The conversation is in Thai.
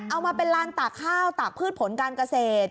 เอามาเป็นลานตากข้าวตากพืชผลการเกษตร